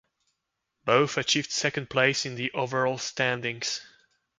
Both achieved second place in the overall standings.